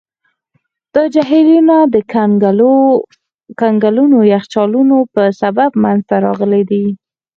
دا جهیلونه د کنګلونو یخچالونو په سبب منځته راغلي دي.